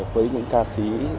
với những ca sĩ